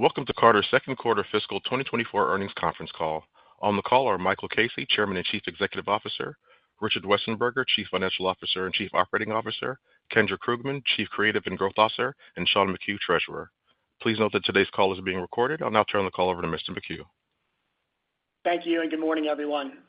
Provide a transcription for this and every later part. Welcome to Carter's second quarter fiscal 2024 Earnings Conference Call. On the call are Michael Casey, Chairman and Chief Executive Officer, Richard Westenberger, Chief Financial Officer and Chief Operating Officer, Kendra Krugman, Chief Creative and Growth Officer, and Sean McHugh, Treasurer. Please note that today's call is being recorded. I'll now turn the call over to Mr. McHugh. Thank you, and good morning, everyone.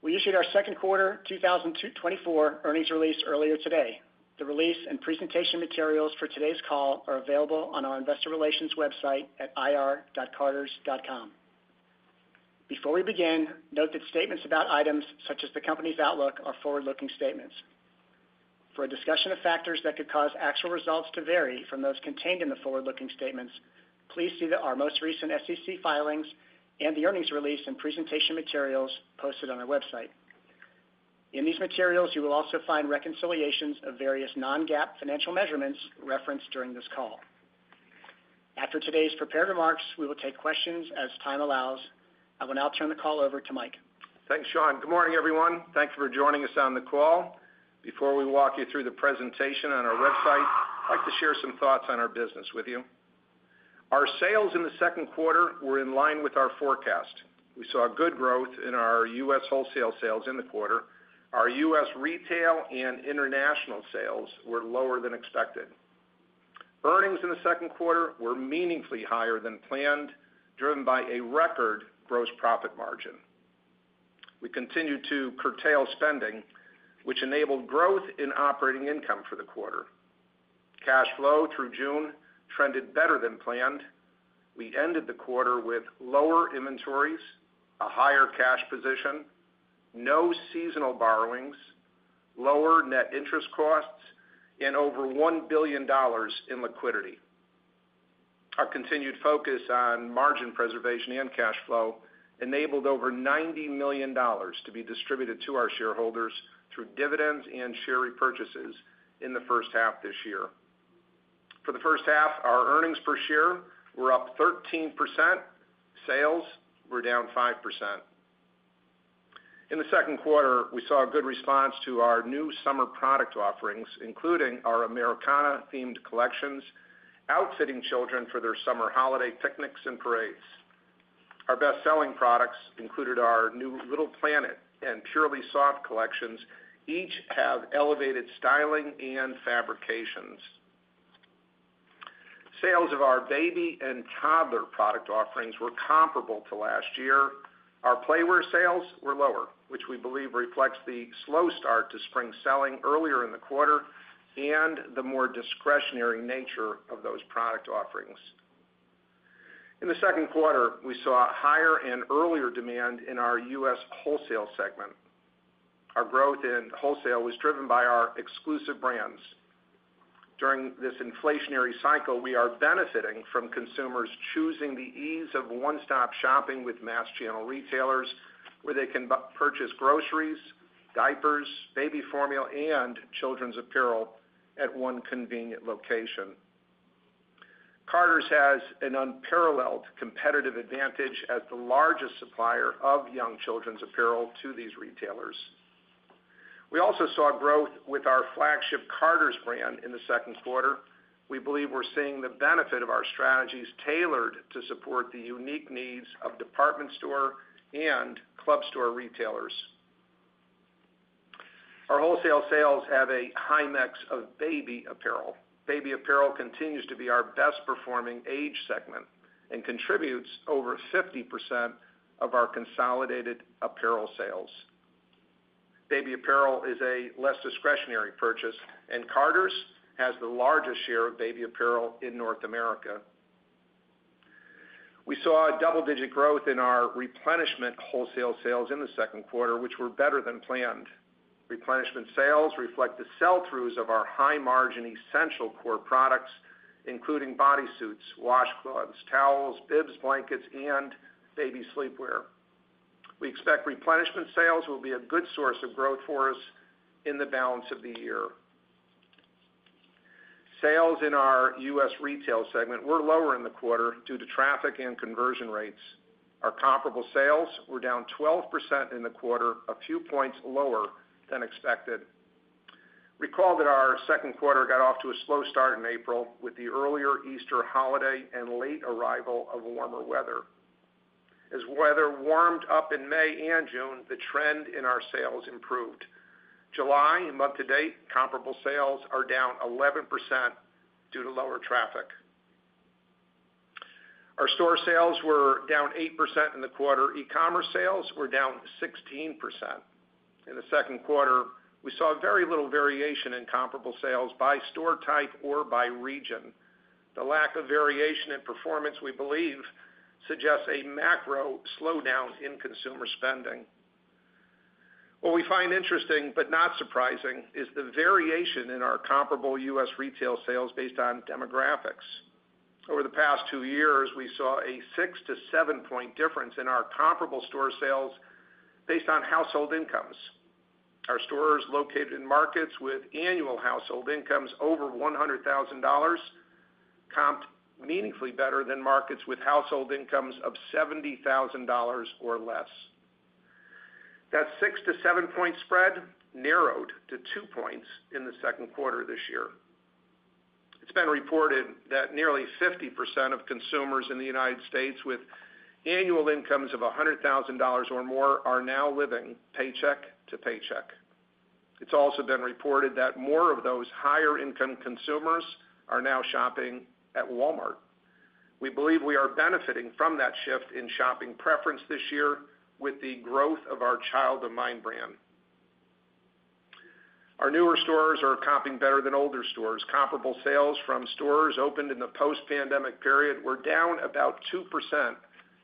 We issued our second quarter 2024 earnings release earlier today. The release and presentation materials for today's call are available on our investor relations website at ir.carters.com. Before we begin, note that statements about items such as the company's outlook are forward-looking statements. For a discussion of factors that could cause actual results to vary from those contained in the forward-looking statements, please see our most recent SEC filings and the earnings release and presentation materials posted on our website. In these materials, you will also find reconciliations of various non-GAAP financial measurements referenced during this call. After today's prepared remarks, we will take questions as time allows. I will now turn the call over to Mike. Thanks, Sean. Good morning, everyone. Thanks for joining us on the call. Before we walk you through the presentation on our website, I'd like to share some thoughts on our business with you. Our sales in the second quarter were in line with our forecast. We saw good growth in our US wholesale sales in the quarter. Our US retail and international sales were lower than expected. Earnings in the second quarter were meaningfully higher than planned, driven by a record gross profit margin. We continued to curtail spending, which enabled growth in operating income for the quarter. Cash flow through June trended better than planned. We ended the quarter with lower inventories, a higher cash position, no seasonal borrowings, lower net interest costs, and over $1 billion in liquidity. Our continued focus on margin preservation and cash flow enabled over $90 million to be distributed to our shareholders through dividends and share repurchases in the first half this year. For the first half, our earnings per share were up 13%, sales were down 5%. In the second quarter, we saw a good response to our new summer product offerings, including our Americana-themed collections, outfitting children for their summer holiday picnics and parades. Our best-selling products included our new Little Planet and Purely Soft collections, each have elevated styling and fabrications. Sales of our baby and toddler product offerings were comparable to last year. Our playwear sales were lower, which we believe reflects the slow start to spring selling earlier in the quarter and the more discretionary nature of those product offerings. In the second quarter, we saw higher and earlier demand in our US wholesale segment. Our growth in wholesale was driven by our exclusive brands. During this inflationary cycle, we are benefiting from consumers choosing the ease of one-stop shopping with mass channel retailers, where they can purchase groceries, diapers, baby formula, and children's apparel at one convenient location. Carter's has an unparalleled competitive advantage as the largest supplier of young children's apparel to these retailers. We also saw growth with our flagship Carter's brand in the second quarter. We believe we're seeing the benefit of our strategies tailored to support the unique needs of department store and club store retailers. Our wholesale sales have a high mix of baby apparel. Baby apparel continues to be our best-performing age segment and contributes over 50% of our consolidated apparel sales. Baby apparel is a less discretionary purchase, and Carter's has the largest share of baby apparel in North America. We saw a double-digit growth in our replenishment wholesale sales in the second quarter, which were better than planned. Replenishment sales reflect the sell-throughs of our high-margin, essential core products, including bodysuits, washcloths, towels, bibs, blankets, and baby sleepwear. We expect replenishment sales will be a good source of growth for us in the balance of the year. Sales in our US retail segment were lower in the quarter due to traffic and conversion rates. Our comparable sales were down 12% in the quarter, a few points lower than expected. Recall that our second quarter got off to a slow start in April with the earlier Easter holiday and late arrival of warmer weather. As weather warmed up in May and June, the trend in our sales improved. July and month to date, comparable sales are down 11% due to lower traffic. Our store sales were down 8% in the quarter. E-commerce sales were down 16%. In the second quarter, we saw very little variation in comparable sales by store type or by region. The lack of variation in performance, we believe, suggests a macro slowdown in consumer spending. What we find interesting, but not surprising, is the variation in our comparable US retail sales based on demographics. Over the past 2 years, we saw a 6-7 point difference in our comparable store sales based on household incomes. Our stores located in markets with annual household incomes over $100,000 comped meaningfully better than markets with household incomes of $70,000 or less.... That 6-7 point spread narrowed to two points in the second quarter this year. It's been reported that nearly 50% of consumers in the United States with annual incomes of $100,000 or more are now living paycheck to paycheck. It's also been reported that more of those higher-income consumers are now shopping at Walmart. We believe we are benefiting from that shift in shopping preference this year with the growth of our Child of Mine brand. Our newer stores are comping better than older stores. Comparable sales from stores opened in the post-pandemic period were down about 2%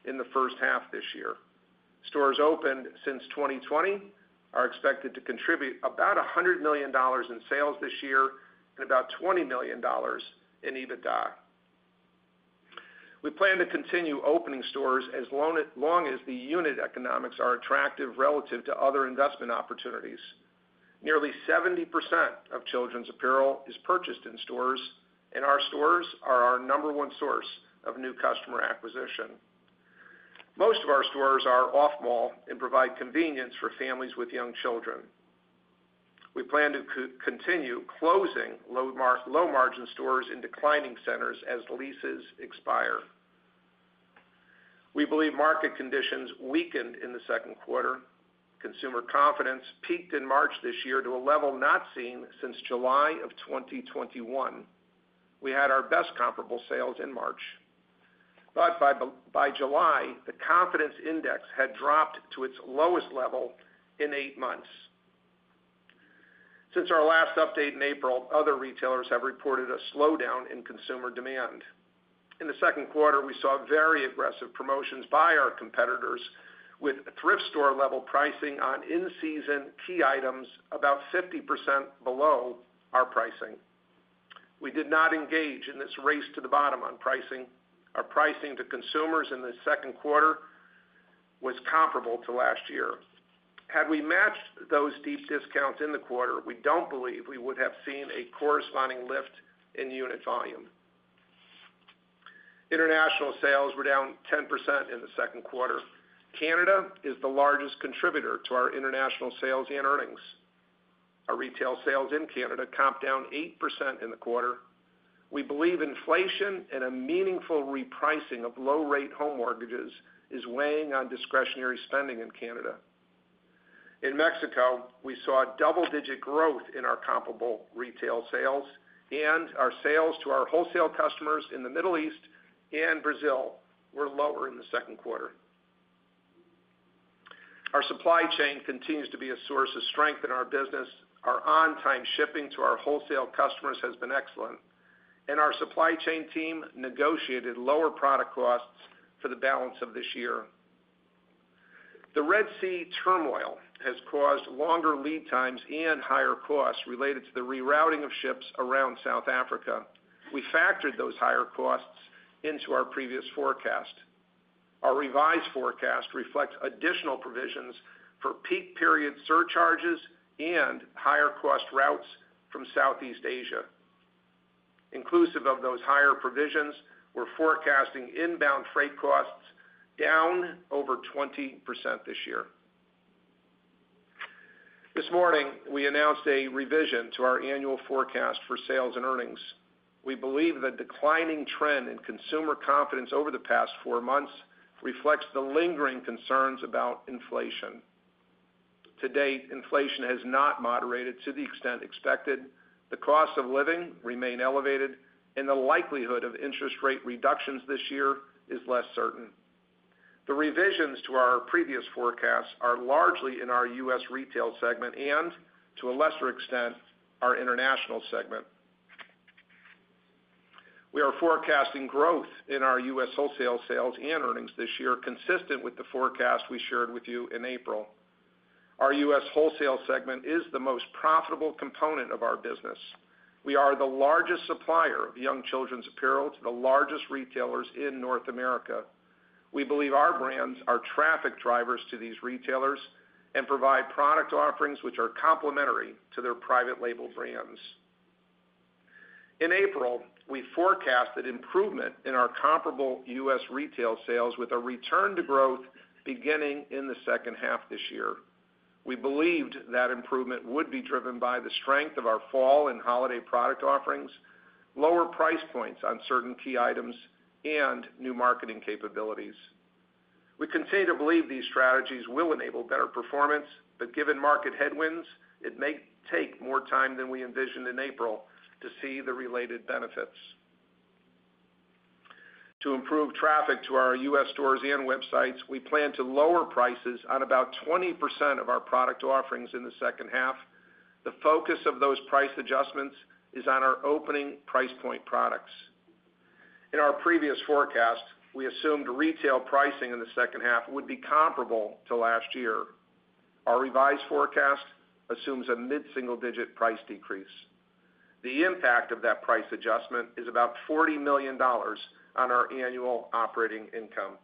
in the first half this year. Stores opened since 2020 are expected to contribute about $100 million in sales this year and about $20 million in EBITDA. We plan to continue opening stores as long as the unit economics are attractive relative to other investment opportunities. Nearly 70% of children's apparel is purchased in stores, and our stores are our number one source of new customer acquisition. Most of our stores are off-mall and provide convenience for families with young children. We plan to continue closing low-margin stores in declining centers as leases expire. We believe market conditions weakened in the second quarter. Consumer confidence peaked in March this year to a level not seen since July of 2021. We had our best comparable sales in March, but by July, the confidence index had dropped to its lowest level in eight months. Since our last update in April, other retailers have reported a slowdown in consumer demand. In the second quarter, we saw very aggressive promotions by our competitors, with thrift store level pricing on in-season key items about 50% below our pricing. We did not engage in this race to the bottom on pricing. Our pricing to consumers in the second quarter was comparable to last year. Had we matched those deep discounts in the quarter, we don't believe we would have seen a corresponding lift in unit volume. International sales were down 10% in the second quarter. Canada is the largest contributor to our international sales and earnings. Our retail sales in Canada comped down 8% in the quarter. We believe inflation and a meaningful repricing of low-rate home mortgages is weighing on discretionary spending in Canada. In Mexico, we saw double-digit growth in our comparable retail sales, and our sales to our wholesale customers in the Middle East and Brazil were lower in the second quarter. Our supply chain continues to be a source of strength in our business. Our on-time shipping to our wholesale customers has been excellent, and our supply chain team negotiated lower product costs for the balance of this year. The Red Sea turmoil has caused longer lead times and higher costs related to the rerouting of ships around South Africa. We factored those higher costs into our previous forecast. Our revised forecast reflects additional provisions for peak period surcharges and higher cost routes from Southeast Asia. Inclusive of those higher provisions, we're forecasting inbound freight costs down over 20% this year. This morning, we announced a revision to our annual forecast for sales and earnings. We believe the declining trend in consumer confidence over the past four months reflects the lingering concerns about inflation. To date, inflation has not moderated to the extent expected. The cost of living remain elevated, and the likelihood of interest rate reductions this year is less certain. The revisions to our previous forecasts are largely in our US retail segment and, to a lesser extent, our international segment. We are forecasting growth in our US wholesale sales and earnings this year, consistent with the forecast we shared with you in April. Our US wholesale segment is the most profitable component of our business. We are the largest supplier of young children's apparel to the largest retailers in North America. We believe our brands are traffic drivers to these retailers and provide product offerings which are complementary to their private label brands. In April, we forecasted improvement in our comparable US retail sales with a return to growth beginning in the second half this year. We believed that improvement would be driven by the strength of our fall and holiday product offerings, lower price points on certain key items, and new marketing capabilities. We continue to believe these strategies will enable better performance, but given market headwinds, it may take more time than we envisioned in April to see the related benefits. To improve traffic to our US stores and websites, we plan to lower prices on about 20% of our product offerings in the second half. The focus of those price adjustments is on our opening price point products. In our previous forecast, we assumed retail pricing in the second half would be comparable to last year. Our revised forecast assumes a mid-single-digit price decrease. The impact of that price adjustment is about $40 million on our annual operating income.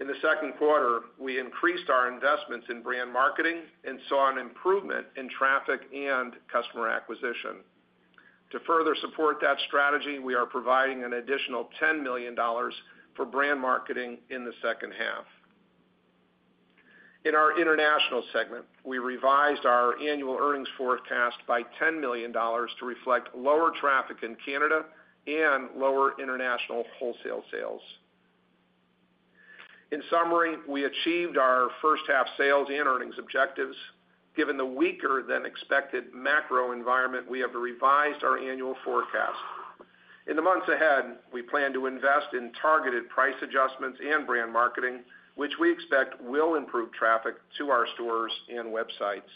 In the second quarter, we increased our investments in brand marketing and saw an improvement in traffic and customer acquisition. To further support that strategy, we are providing an additional $10 million for brand marketing in the second half. In our International segment, we revised our annual earnings forecast by $10 million to reflect lower traffic in Canada and lower international wholesale sales. In summary, we achieved our first half sales and earnings objectives. Given the weaker-than-expected macro environment, we have revised our annual forecast. In the months ahead, we plan to invest in targeted price adjustments and brand marketing, which we expect will improve traffic to our stores and websites.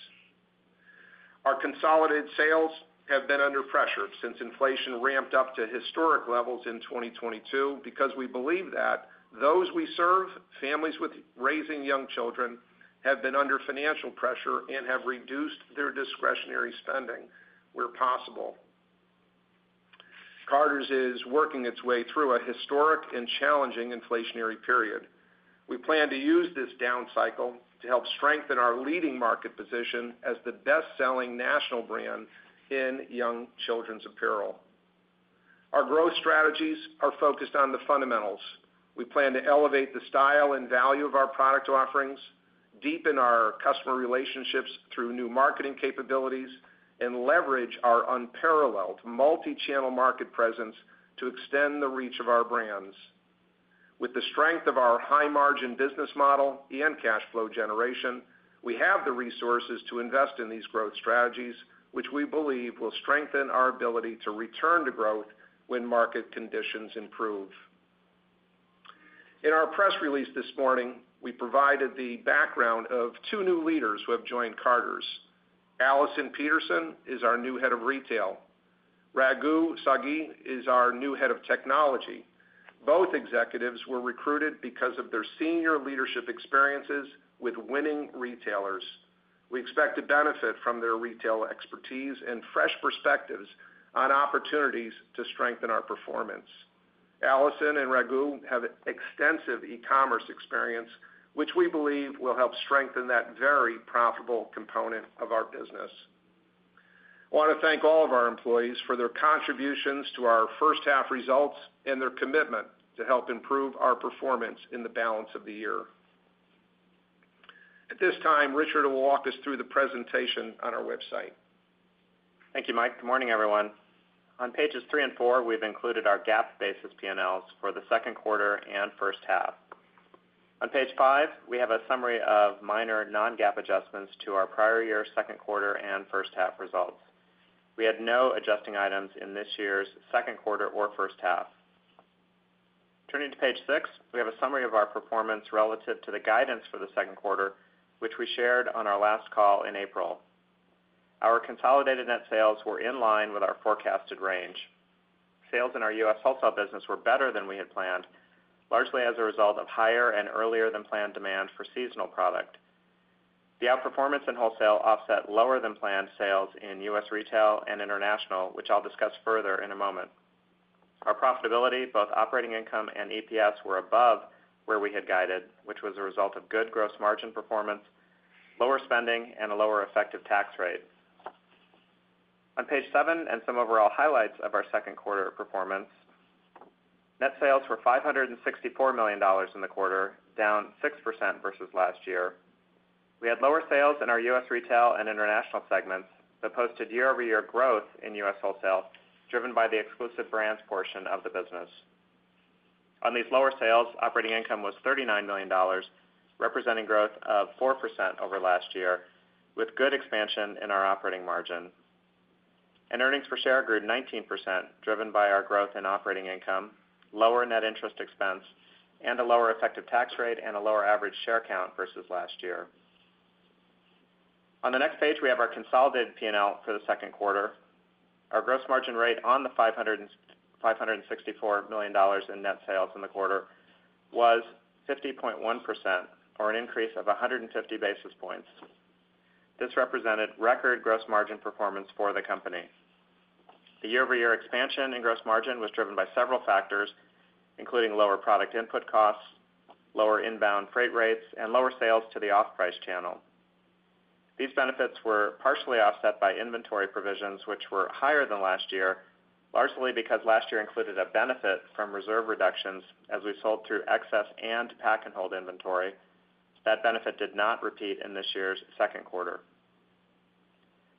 Our consolidated sales have been under pressure since inflation ramped up to historic levels in 2022, because we believe that those we serve, families with raising young children, have been under financial pressure and have reduced their discretionary spending where possible. Carter's is working its way through a historic and challenging inflationary period. We plan to use this down cycle to help strengthen our leading market position as the best-selling national brand in young children's apparel. Our growth strategies are focused on the fundamentals. We plan to elevate the style and value of our product offerings, deepen our customer relationships through new marketing capabilities, and leverage our unparalleled multi-channel market presence to extend the reach of our brands. With the strength of our high-margin business model and cash flow generation, we have the resources to invest in these growth strategies, which we believe will strengthen our ability to return to growth when market conditions improve. In our press release this morning, we provided the background of two new leaders who have joined Carter's. Allison Peterson is our new Head of Retail. Raghu Sagi is our new Head of Technology. Both executives were recruited because of their senior leadership experiences with winning retailers. We expect to benefit from their retail expertise and fresh perspectives on opportunities to strengthen our performance. Allison and Raghu have extensive e-commerce experience, which we believe will help strengthen that very profitable component of our business. I want to thank all of our employees for their contributions to our first half results and their commitment to help improve our performance in the balance of the year. At this time, Richard will walk us through the presentation on our website. Thank you, Mike. Good morning, everyone. On pages 3 and 4, we've included our GAAP basis PNLs for the second quarter and first half. On page 5, we have a summary of minor non-GAAP adjustments to our prior year, second quarter, and first half results. We had no adjusting items in this year's second quarter or first half. Turning to page 6, we have a summary of our performance relative to the guidance for the second quarter, which we shared on our last call in April. Our consolidated net sales were in line with our forecasted range. Sales in our US wholesale business were better than we had planned, largely as a result of higher and earlier-than-planned demand for seasonal product. The outperformance in wholesale offset lower-than-planned sales in US retail and international, which I'll discuss further in a moment. Our profitability, both operating income and EPS, were above where we had guided, which was a result of good gross margin performance, lower spending, and a lower effective tax rate. On page seven, and some overall highlights of our second quarter performance. Net sales were $564 million in the quarter, down 6% versus last year. We had lower sales in our US retail and international segments, but posted year-over-year growth in US wholesale, driven by the exclusive brands portion of the business. On these lower sales, operating income was $39 million, representing growth of 4% over last year, with good expansion in our operating margin. Earnings per share grew 19%, driven by our growth in operating income, lower net interest expense, and a lower effective tax rate, and a lower average share count versus last year. On the next page, we have our consolidated PNL for the second quarter. Our gross margin rate on the $564 million in net sales in the quarter was 50.1%, or an increase of 150 basis points. This represented record gross margin performance for the company. The year-over-year expansion in gross margin was driven by several factors, including lower product input costs, lower inbound freight rates, and lower sales to the off-price channel. These benefits were partially offset by inventory provisions, which were higher than last year, largely because last year included a benefit from reserve reductions as we sold through excess and pack-and-hold inventory. That benefit did not repeat in this year's second quarter.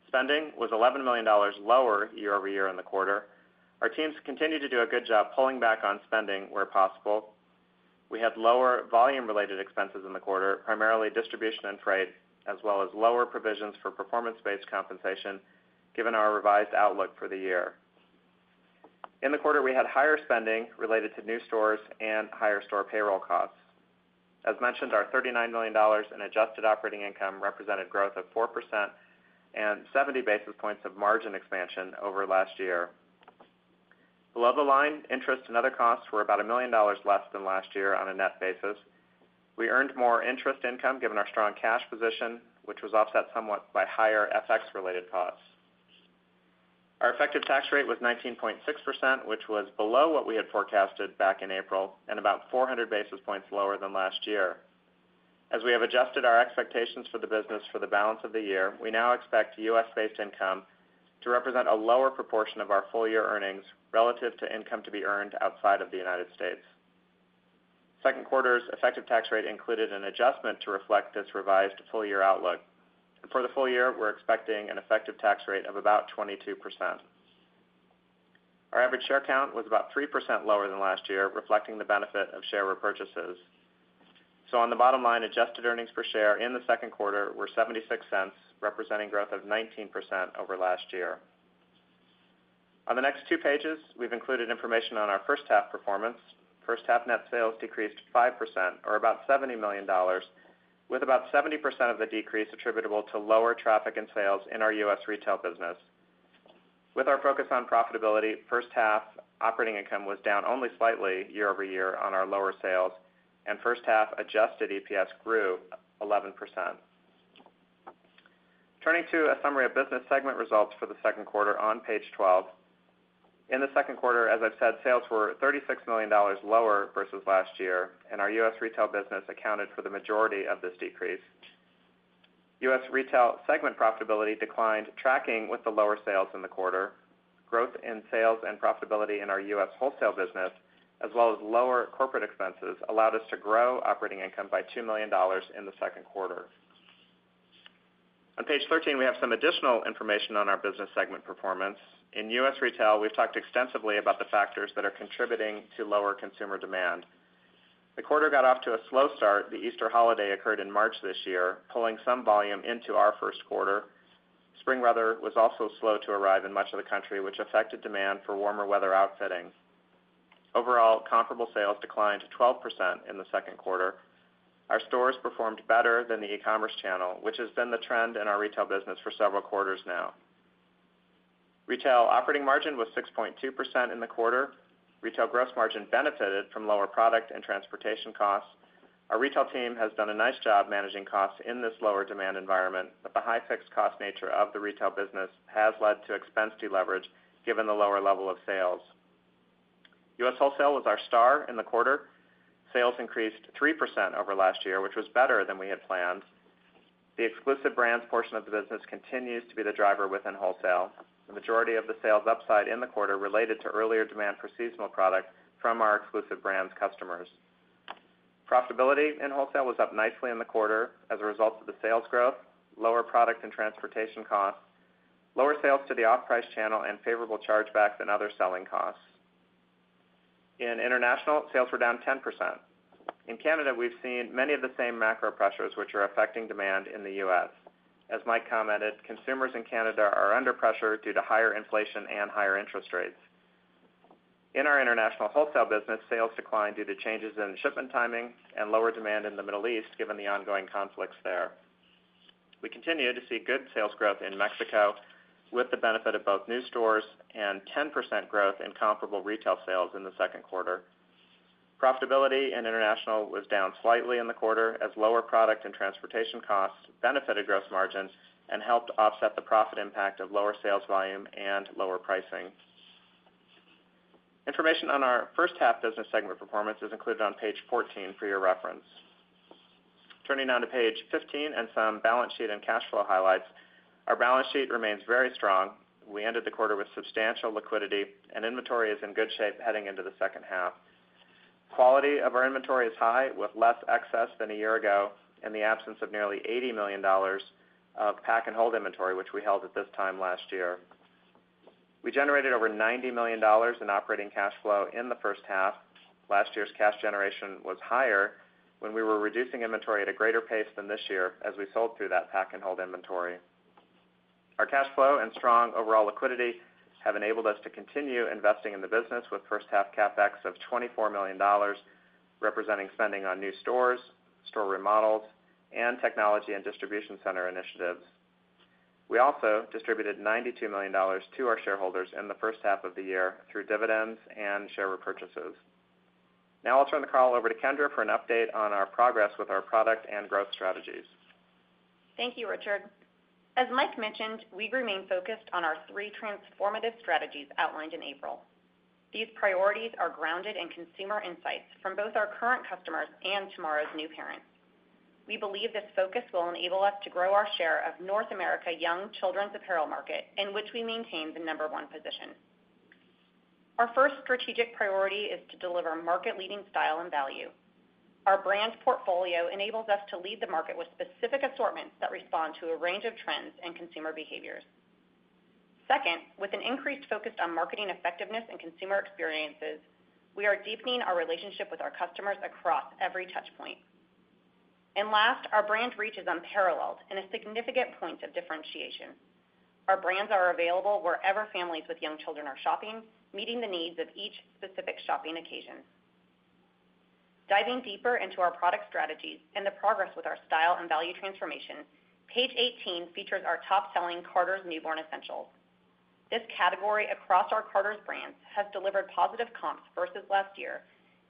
Spending was $11 million lower year over year in the quarter. Our teams continued to do a good job pulling back on spending where possible. We had lower volume-related expenses in the quarter, primarily distribution and freight, as well as lower provisions for performance-based compensation, given our revised outlook for the year. In the quarter, we had higher spending related to new stores and higher store payroll costs. As mentioned, our $39 million in adjusted operating income represented growth of 4% and 70 basis points of margin expansion over last year. Below the line, interest and other costs were about $1 million less than last year on a net basis. We earned more interest income given our strong cash position, which was offset somewhat by higher FX-related costs. Our effective tax rate was 19.6%, which was below what we had forecasted back in April and about 400 basis points lower than last year. As we have adjusted our expectations for the business for the balance of the year, we now expect US-based income to represent a lower proportion of our full-year earnings relative to income to be earned outside of the United States. Second quarter's effective tax rate included an adjustment to reflect this revised full-year outlook. For the full year, we're expecting an effective tax rate of about 22%. Our average share count was about 3% lower than last year, reflecting the benefit of share repurchases. So on the bottom line, adjusted earnings per share in the second quarter were $0.76, representing growth of 19% over last year. On the next two pages, we've included information on our first half performance. First half net sales decreased 5% or about $70 million, with about 70% of the decrease attributable to lower traffic and sales in our US retail business. With our focus on profitability, first half operating income was down only slightly year-over-year on our lower sales, and first half adjusted EPS grew 11%. Turning to a summary of business segment results for the second quarter on page 12. In the second quarter, as I've said, sales were $36 million lower versus last year, and our US retail business accounted for the majority of this decrease. US retail segment profitability declined, tracking with the lower sales in the quarter. Growth in sales and profitability in our US wholesale business, as well as lower corporate expenses, allowed us to grow operating income by $2 million in the second quarter. On page 13, we have some additional information on our business segment performance. In US retail, we've talked extensively about the factors that are contributing to lower consumer demand. The quarter got off to a slow start. The Easter holiday occurred in March this year, pulling some volume into our first quarter. Spring weather was also slow to arrive in much of the country, which affected demand for warmer weather outfitting. Overall, comparable sales declined 12% in the second quarter. Our stores performed better than the e-commerce channel, which has been the trend in our retail business for several quarters now. Retail operating margin was 6.2% in the quarter. Retail gross margin benefited from lower product and transportation costs. Our retail team has done a nice job managing costs in this lower demand environment, but the high fixed cost nature of the retail business has led to expense deleverage, given the lower level of sales. US wholesale was our star in the quarter. Sales increased 3% over last year, which was better than we had planned. The exclusive brands portion of the business continues to be the driver within wholesale. The majority of the sales upside in the quarter related to earlier demand for seasonal product from our exclusive brands customers. Profitability in wholesale was up nicely in the quarter as a result of the sales growth, lower product and transportation costs, lower sales to the off-price channel, and favorable chargebacks and other selling costs. In international, sales were down 10%. In Canada, we've seen many of the same macro pressures which are affecting demand in the US As Mike commented, consumers in Canada are under pressure due to higher inflation and higher interest rates. In our international wholesale business, sales declined due to changes in shipment timing and lower demand in the Middle East, given the ongoing conflicts there. We continue to see good sales growth in Mexico, with the benefit of both new stores and 10% growth in comparable retail sales in the second quarter. Profitability in international was down slightly in the quarter, as lower product and transportation costs benefited gross margins and helped offset the profit impact of lower sales volume and lower pricing. Information on our first half business segment performance is included on page 14 for your reference. Turning now to page 15 and some balance sheet and cash flow highlights. Our balance sheet remains very strong. We ended the quarter with substantial liquidity, and inventory is in good shape heading into the second half. Quality of our inventory is high, with less excess than a year ago, in the absence of nearly $80 million of pack-and-hold inventory, which we held at this time last year. We generated over $90 million in operating cash flow in the first half. Last year's cash generation was higher when we were reducing inventory at a greater pace than this year, as we sold through that pack-and-hold inventory. Our cash flow and strong overall liquidity have enabled us to continue investing in the business with first half CapEx of $24 million, representing spending on new stores, store remodels, and technology and distribution center initiatives. We also distributed $92 million to our shareholders in the first half of the year through dividends and share repurchases. Now I'll turn the call over to Kendra for an update on our progress with our product and growth strategies. Thank you, Richard. As Mike mentioned, we remain focused on our three transformative strategies outlined in April. These priorities are grounded in consumer insights from both our current customers and tomorrow's new parents. We believe this focus will enable us to grow our share of North America young children's apparel market, in which we maintain the number one position. Our first strategic priority is to deliver market-leading style and value. Our brands portfolio enables us to lead the market with specific assortments that respond to a range of trends and consumer behaviors. Second, with an increased focus on marketing effectiveness and consumer experiences, we are deepening our relationship with our customers across every touch point. And last, our brand reach is unparalleled and a significant point of differentiation. Our brands are available wherever families with young children are shopping, meeting the needs of each specific shopping occasion. Diving deeper into our product strategies and the progress with our style and value transformation, page 18 features our top-selling Carter's newborn essentials. This category across our Carter's brands has delivered positive comps versus last year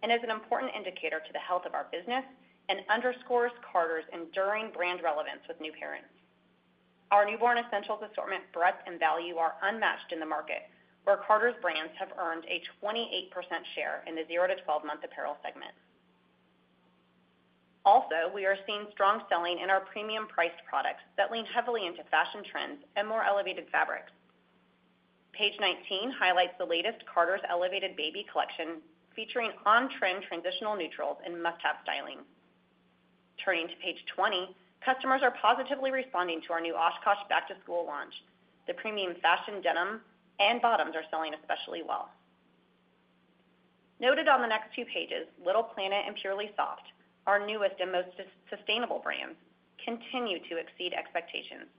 and is an important indicator to the health of our business and underscores Carter's enduring brand relevance with new parents.... Our newborn essentials assortment breadth and value are unmatched in the market, where Carter's brands have earned a 28% share in the 0- to 12-month apparel segment. Also, we are seeing strong selling in our premium priced products that lean heavily into fashion trends and more elevated fabrics. Page 19 highlights the latest Carter's elevated baby collection, featuring on-trend transitional neutrals and must-have styling. Turning to page 20, customers are positively responding to our new OshKosh Back to School launch. The premium fashion denim and bottoms are selling especially well. Noted on the next two pages, Little Planet and Purely Soft, our newest and most sustainable brands, continue to exceed expectations.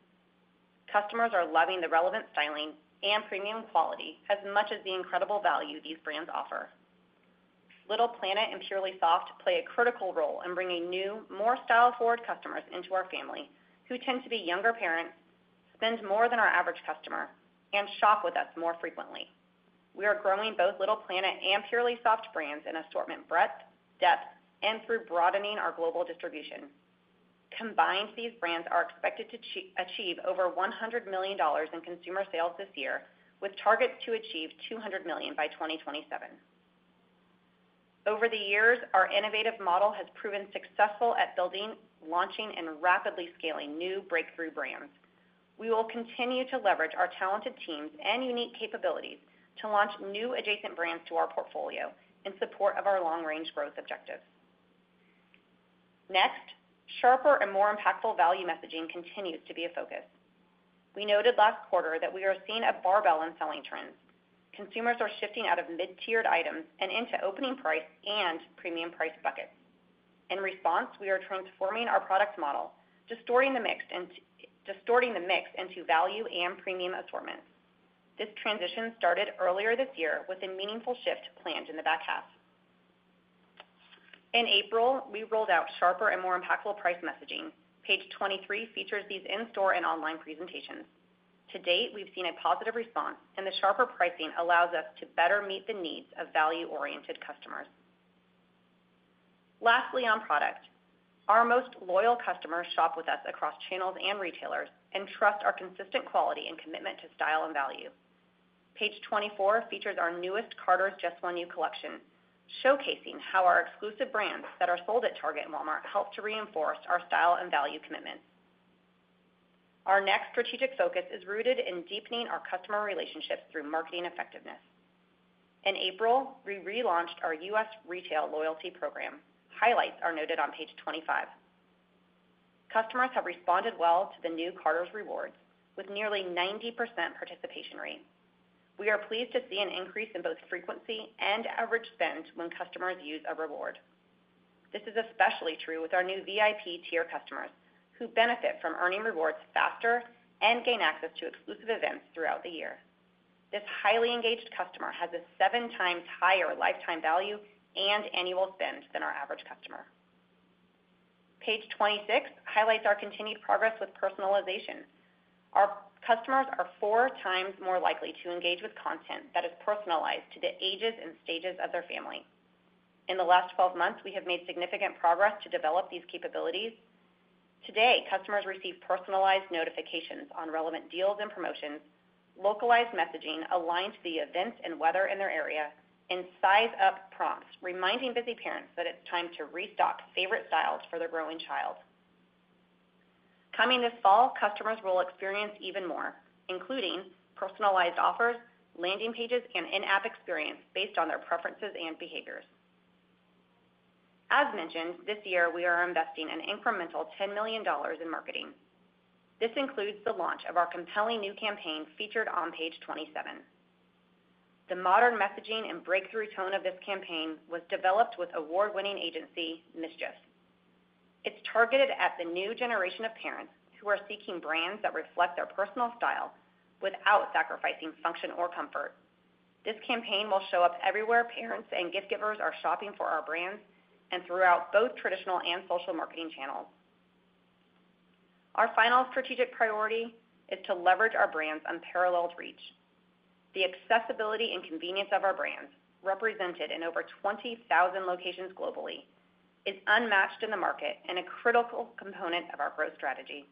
Customers are loving the relevant styling and premium quality as much as the incredible value these brands offer. Little Planet and Purely Soft play a critical role in bringing new, more style-forward customers into our family, who tend to be younger parents, spend more than our average customer, and shop with us more frequently. We are growing both Little Planet and Purely Soft brands in assortment breadth, depth, and through broadening our global distribution. Combined, these brands are expected to achieve over $100 million in consumer sales this year, with targets to achieve $200 million by 2027. Over the years, our innovative model has proven successful at building, launching, and rapidly scaling new breakthrough brands. We will continue to leverage our talented teams and unique capabilities to launch new adjacent brands to our portfolio in support of our long-range growth objectives. Next, sharper and more impactful value messaging continues to be a focus. We noted last quarter that we are seeing a barbell in selling trends. Consumers are shifting out of mid-tiered items and into opening price and premium price buckets. In response, we are transforming our product model, distorting the mix into value and premium assortments. This transition started earlier this year, with a meaningful shift planned in the back half. In April, we rolled out sharper and more impactful price messaging. Page 23 features these in-store and online presentations. To date, we've seen a positive response, and the sharper pricing allows us to better meet the needs of value-oriented customers. Lastly, on product, our most loyal customers shop with us across channels and retailers and trust our consistent quality and commitment to style and value. Page 24 features our newest Carter's Just One You collection, showcasing how our exclusive brands that are sold at Target and Walmart help to reinforce our style and value commitment. Our next strategic focus is rooted in deepening our customer relationships through marketing effectiveness. In April, we relaunched our US retail loyalty program. Highlights are noted on page 25. Customers have responded well to the new Carter's Rewards, with nearly 90% participation rate. We are pleased to see an increase in both frequency and average spend when customers use a reward. This is especially true with our new VIP tier customers, who benefit from earning rewards faster and gain access to exclusive events throughout the year. This highly engaged customer has a seven times higher lifetime value and annual spend than our average customer. Page 26 highlights our continued progress with personalization. Our customers are four times more likely to engage with content that is personalized to the ages and stages of their family. In the last 12 months, we have made significant progress to develop these capabilities. Today, customers receive personalized notifications on relevant deals and promotions, localized messaging aligned to the events and weather in their area, and size up prompts, reminding busy parents that it's time to restock favorite styles for their growing child. Coming this fall, customers will experience even more, including personalized offers, landing pages, and in-app experience based on their preferences and behaviors. As mentioned, this year, we are investing an incremental $10 million in marketing. This includes the launch of our compelling new campaign featured on page 27. The modern messaging and breakthrough tone of this campaign was developed with award-winning agency, Mischief. It's targeted at the new generation of parents who are seeking brands that reflect their personal style without sacrificing function or comfort. This campaign will show up everywhere parents and gift givers are shopping for our brands and throughout both traditional and social marketing channels. Our final strategic priority is to leverage our brand's unparalleled reach. The accessibility and convenience of our brands, represented in over 20,000 locations globally, is unmatched in the market and a critical component of our growth strategy.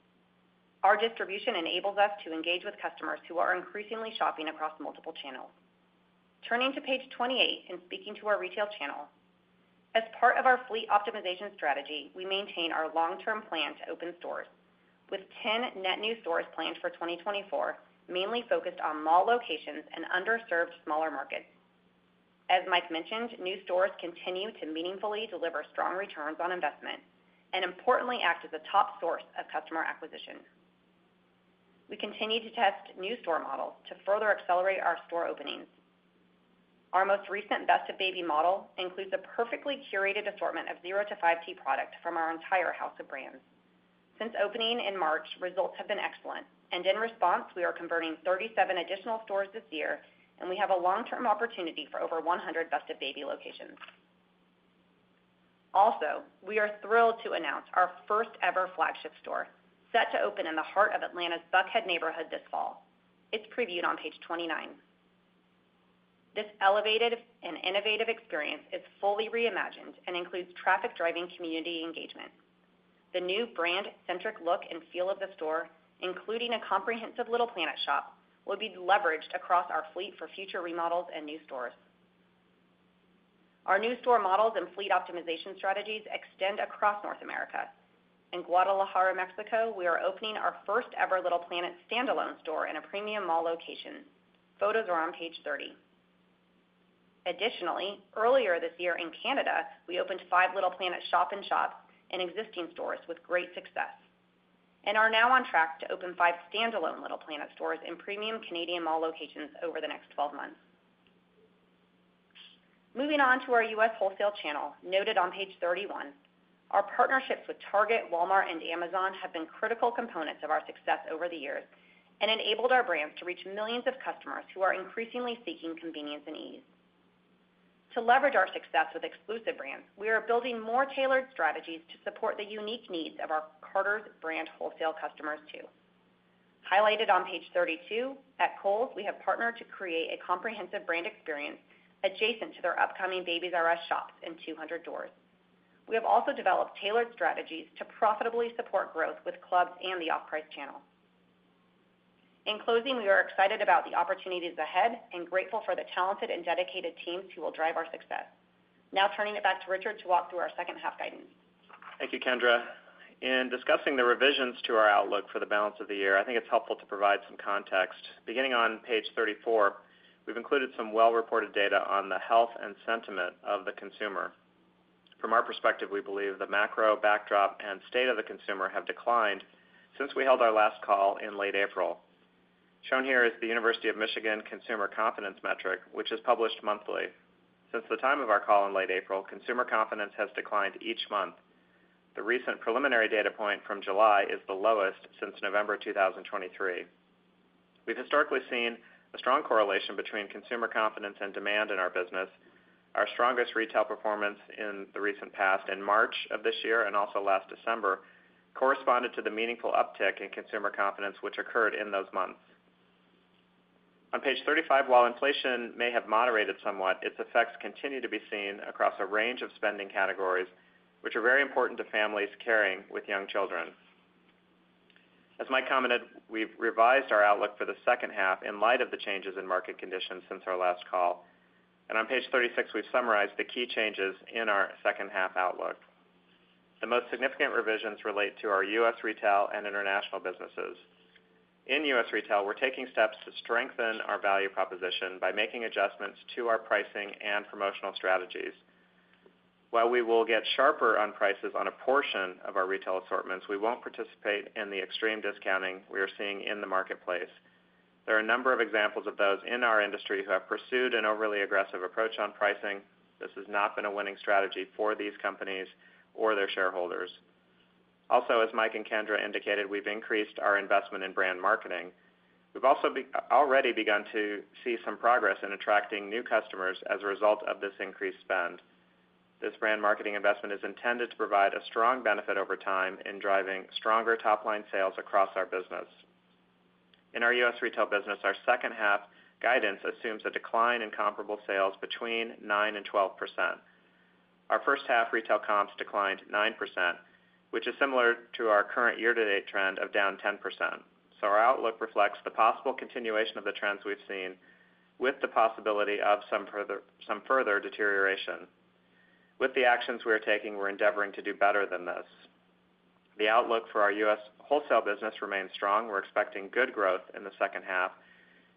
Our distribution enables us to engage with customers who are increasingly shopping across multiple channels. Turning to page 28 and speaking to our retail channel, as part of our fleet optimization strategy, we maintain our long-term plan to open stores, with 10 net new stores planned for 2024, mainly focused on mall locations and underserved smaller markets. As Mike mentioned, new stores continue to meaningfully deliver strong returns on investment and importantly, act as a top source of customer acquisition. We continue to test new store models to further accelerate our store openings. Our most recent Best of Baby model includes a perfectly curated assortment of zero to 5T product from our entire house of brands. Since opening in March, results have been excellent, and in response, we are converting 37 additional stores this year, and we have a long-term opportunity for over 100 Best of Baby locations. Also, we are thrilled to announce our first-ever flagship store, set to open in the heart of Atlanta's Buckhead neighborhood this fall. It's previewed on page 29. This elevated and innovative experience is fully reimagined and includes traffic-driving community engagement. The new brand-centric look and feel of the store, including a comprehensive Little Planet shop, will be leveraged across our fleet for future remodels and new stores. Our new store models and fleet optimization strategies extend across North America. In Guadalajara, Mexico, we are opening our first-ever Little Planet standalone store in a premium mall location. Photos are on page 30. Additionally, earlier this year in Canada, we opened five Little Planet shop-in-shops in existing stores with great success and are now on track to open five standalone Little Planet stores in premium Canadian mall locations over the next twelve months. Moving on to our US wholesale channel, noted on page 31. Our partnerships with Target, Walmart, and Amazon have been critical components of our success over the years and enabled our brands to reach millions of customers who are increasingly seeking convenience and ease. To leverage our success with exclusive brands, we are building more tailored strategies to support the unique needs of our Carter's brand wholesale customers, too. Highlighted on page 32, at Kohl's, we have partnered to create a comprehensive brand experience adjacent to their upcoming Babies"R"Us shops in 200 stores. We have also developed tailored strategies to profitably support growth with clubs and the off-price channel. In closing, we are excited about the opportunities ahead and grateful for the talented and dedicated teams who will drive our success. Now turning it back to Richard to walk through our second half guidance. Thank you, Kendra. In discussing the revisions to our outlook for the balance of the year, I think it's helpful to provide some context. Beginning on page 34, we've included some well-reported data on the health and sentiment of the consumer. From our perspective, we believe the macro backdrop and state of the consumer have declined since we held our last call in late April. Shown here is the University of Michigan Consumer Confidence metric, which is published monthly. Since the time of our call in late April, consumer confidence has declined each month. The recent preliminary data point from July is the lowest since November 2023. We've historically seen a strong correlation between consumer confidence and demand in our business. Our strongest retail performance in the recent past, in March of this year and also last December, corresponded to the meaningful uptick in consumer confidence, which occurred in those months. On page 35, while inflation may have moderated somewhat, its effects continue to be seen across a range of spending categories, which are very important to families caring with young children. As Mike commented, we've revised our outlook for the second half in light of the changes in market conditions since our last call, and on page 36, we've summarized the key changes in our second half outlook. The most significant revisions relate to our US retail and international businesses. In US retail, we're taking steps to strengthen our value proposition by making adjustments to our pricing and promotional strategies. While we will get sharper on prices on a portion of our retail assortments, we won't participate in the extreme discounting we are seeing in the marketplace. There are a number of examples of those in our industry who have pursued an overly aggressive approach on pricing. This has not been a winning strategy for these companies or their shareholders. Also, as Mike and Kendra indicated, we've increased our investment in brand marketing. We've also already begun to see some progress in attracting new customers as a result of this increased spend. This brand marketing investment is intended to provide a strong benefit over time in driving stronger top-line sales across our business. In our US retail business, our second half guidance assumes a decline in comparable sales between 9% and 12%. Our first half retail comps declined 9%, which is similar to our current year-to-date trend of down 10%. So our outlook reflects the possible continuation of the trends we've seen, with the possibility of some further, some further deterioration. With the actions we are taking, we're endeavoring to do better than this. The outlook for our US wholesale business remains strong. We're expecting good growth in the second half.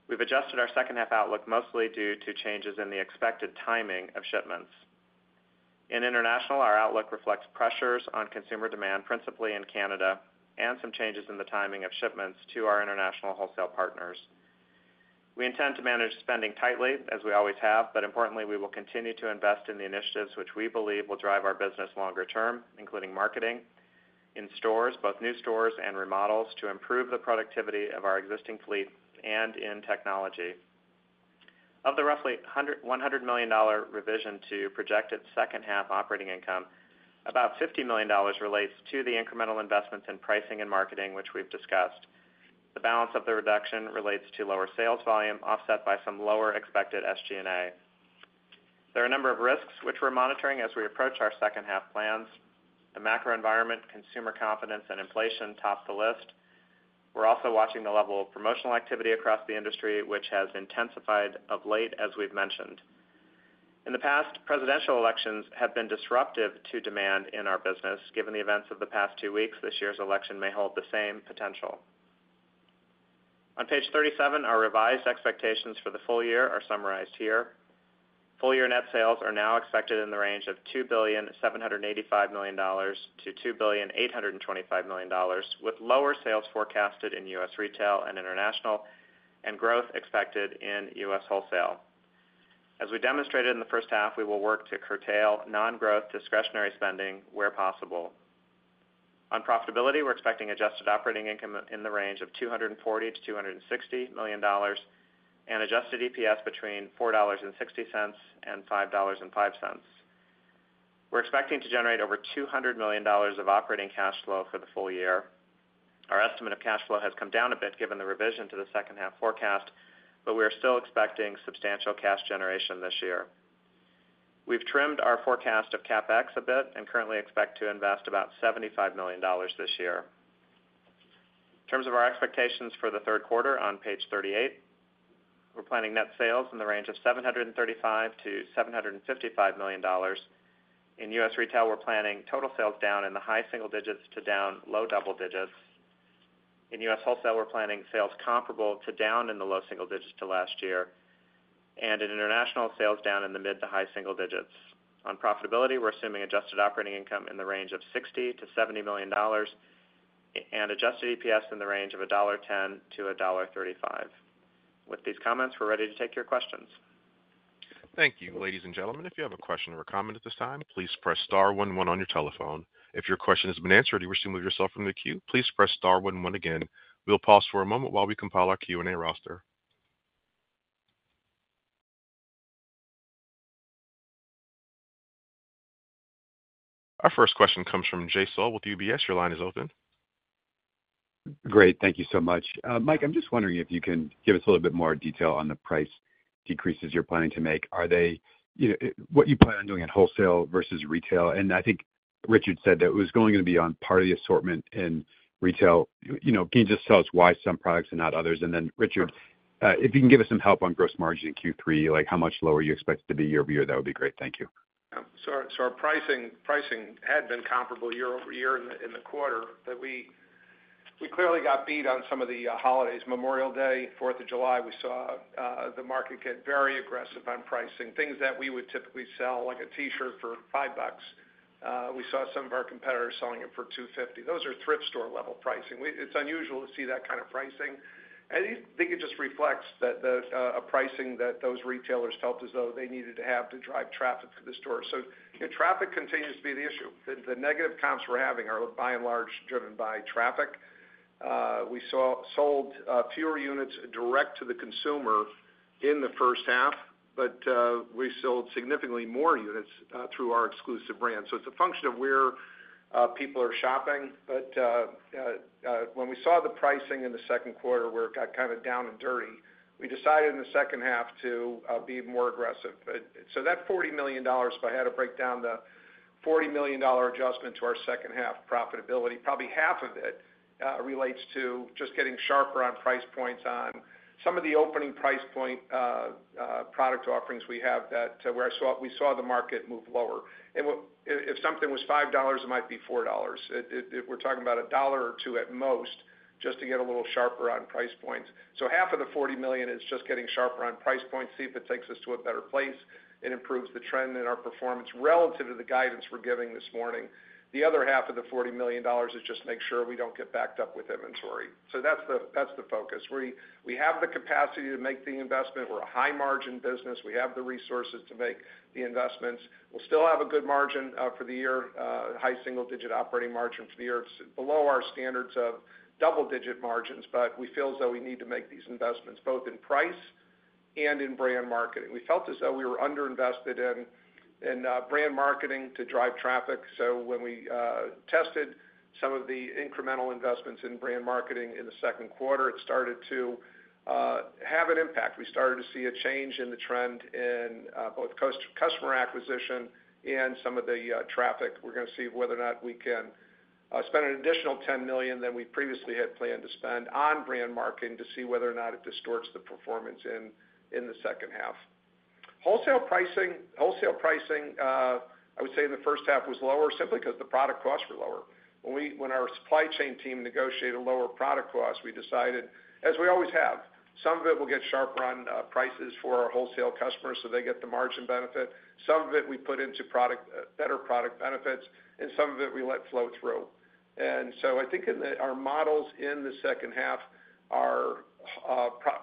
We've adjusted our second half outlook, mostly due to changes in the expected timing of shipments. In international, our outlook reflects pressures on consumer demand, principally in Canada, and some changes in the timing of shipments to our international wholesale partners. We intend to manage spending tightly, as we always have, but importantly, we will continue to invest in the initiatives which we believe will drive our business longer term, including marketing, in stores, both new stores and remodels, to improve the productivity of our existing fleet, and in technology. Of the roughly $100 million revision to projected second half operating income, about $50 million relates to the incremental investments in pricing and marketing, which we've discussed. The balance of the reduction relates to lower sales volume, offset by some lower expected SG&A. There are a number of risks which we're monitoring as we approach our second half plans. The macro environment, consumer confidence, and inflation top the list. We're also watching the level of promotional activity across the industry, which has intensified of late, as we've mentioned. In the past, presidential elections have been disruptive to demand in our business. Given the events of the past two weeks, this year's election may hold the same potential. On page 37, our revised expectations for the full year are summarized here. Full year net sales are now expected in the range of $2.785 billion-$2.825 billion, with lower sales forecasted in US retail and international, and growth expected in US wholesale. As we demonstrated in the first half, we will work to curtail non-growth discretionary spending where possible. On profitability, we're expecting adjusted operating income in the range of $240 million-$260 million and adjusted EPS between $4.60 and $5.05. We're expecting to generate over $200 million of operating cash flow for the full year. Our estimate of cash flow has come down a bit, given the revision to the second half forecast, but we are still expecting substantial cash generation this year. We've trimmed our forecast of CapEx a bit and currently expect to invest about $75 million this year. In terms of our expectations for the third quarter on page 38, we're planning net sales in the range of $735 million-$755 million. In US retail, we're planning total sales down in the high single digits to down low double digits. In US wholesale, we're planning comparable sales down in the low single digits to last year, and in international, sales down in the mid to high single digits. On profitability, we're assuming adjusted operating income in the range of $60 million-$70 million and adjusted EPS in the range of $1.10-$1.35. With these comments, we're ready to take your questions. Thank you. Ladies and gentlemen, if you have a question or a comment at this time, please press star one one on your telephone. If your question has been answered, or you wish to remove yourself from the queue, please press star one one again. We'll pause for a moment while we compile our Q&A roster. Our first question comes from Jay Sole with UBS. Your line is open. Great. Thank you so much. Mike, I'm just wondering if you can give us a little bit more detail on the price decreases you're planning to make. Are they, you know, what you plan on doing in wholesale versus retail? And I think Richard said that it was going to be on part of the assortment in retail. You know, can you just tell us why some products and not others? And then, Richard, if you can give us some help on gross margin in Q3, like how much lower you expect it to be year over year, that would be great. Thank you. Yeah. So our pricing had been comparable year-over-year in the quarter, but we clearly got beat on some of the holidays. Memorial Day, Fourth of July, we saw the market get very aggressive on pricing. Things that we would typically sell, like a T-shirt for $5, we saw some of our competitors selling it for $2.50. Those are thrift store level pricing. It's unusual to see that kind of pricing. I think it just reflects that the a pricing that those retailers felt as though they needed to have to drive traffic to the store. So traffic continues to be the issue. The negative comps we're having are by and large driven by traffic. We sold fewer units direct to the consumer in the first half, but we sold significantly more units through our exclusive brand. So it's a function of where people are shopping. But when we saw the pricing in the second quarter, where it got kind of down and dirty, we decided in the second half to be more aggressive. So that $40 million, if I had to break down the $40 million adjustment to our second half profitability, probably half of it relates to just getting sharper on price points on some of the opening price point product offerings we have that, where we saw the market move lower. And if something was $5, it might be $4. We're talking about a dollar or two at most, just to get a little sharper on price points. So half of the $40 million is just getting sharper on price points, see if it takes us to a better place and improves the trend in our performance relative to the guidance we're giving this morning. The other half of the $40 million is just to make sure we don't get backed up with inventory. So that's the focus. We have the capacity to make the investment. We're a high margin business. We have the resources to make the investments. We'll still have a good margin for the year, high single-digit operating margin for the year. It's below our standards of double-digit margins, but we feel as though we need to make these investments, both in price and in brand marketing. We felt as though we were underinvested in brand marketing to drive traffic. So when we tested some of the incremental investments in brand marketing in the second quarter, it started to have an impact. We started to see a change in the trend in both customer acquisition and some of the traffic. We're gonna see whether or not we can spend an additional $10 million than we previously had planned to spend on brand marketing to see whether or not it distorts the performance in the second half. Wholesale pricing, I would say in the first half was lower simply because the product costs were lower. When our supply chain team negotiated lower product costs, we decided, as we always have, some of it will get sharper on prices for our wholesale customers, so they get the margin benefit. Some of it we put into product, better product benefits, and some of it we let flow through. So I think in our models in the second half, our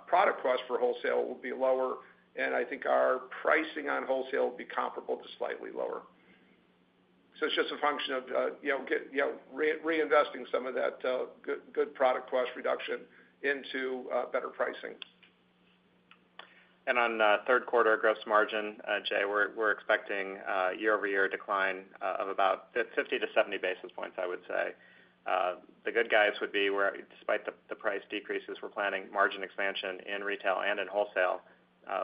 product cost for wholesale will be lower, and I think our pricing on wholesale will be comparable to slightly lower. So it's just a function of you know, reinvesting some of that good product cost reduction into better pricing. On third quarter gross margin, Jay, we're expecting year-over-year decline of about 50-70 basis points, I would say. The good guys would be where despite the price decreases, we're planning margin expansion in retail and in wholesale,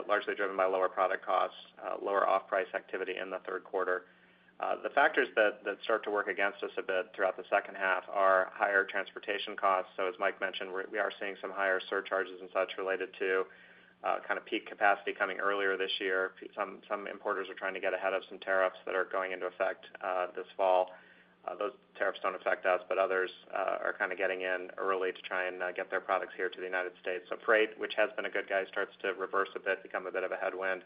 largely driven by lower product costs, lower off-price activity in the third quarter. The factors that start to work against us a bit throughout the second half are higher transportation costs. So as Ike mentioned, we are seeing some higher surcharges and such related to kind of peak capacity coming earlier this year. Some importers are trying to get ahead of some tariffs that are going into effect this fall. Those tariffs don't affect us, but others are kind of getting in early to try and get their products here to the United States. So freight, which has been a good guy, starts to reverse a bit, become a bit of a headwind.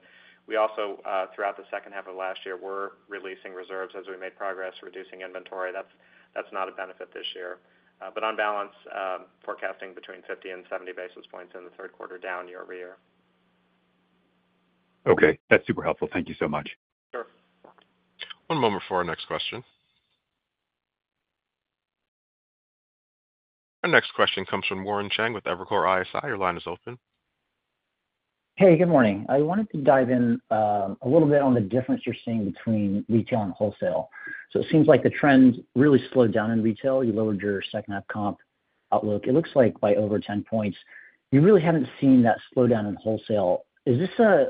We also throughout the second half of last year, we're releasing reserves as we made progress, reducing inventory. That's not a benefit this year. But on balance, forecasting between 50 and 70 basis points in the third quarter, down year-over-year. Okay, that's super helpful. Thank you so much. Sure. One moment for our next question. Our next question comes from Warren Cheng with Evercore ISI. Your line is open. Hey, good morning. I wanted to dive in a little bit on the difference you're seeing between retail and wholesale. So it seems like the trend really slowed down in retail. You lowered your second half comp outlook, it looks like by over 10 points. You really haven't seen that slowdown in wholesale. Is this a